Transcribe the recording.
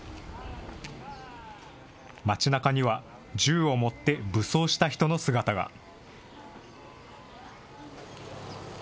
街なかには銃を持って武装した人の姿が。